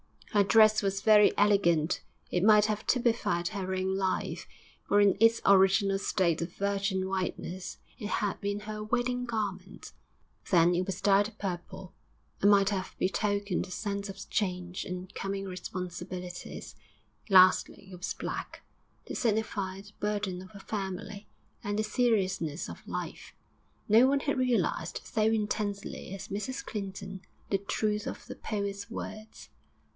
Her dress was very elegant; it might have typified her own life, for in its original state of virgin whiteness it had been her wedding garment; then it was dyed purple, and might have betokened a sense of change and coming responsibilities; lastly it was black, to signify the burden of a family, and the seriousness of life. No one had realised so intensely as Mrs Clinton the truth of the poet's words.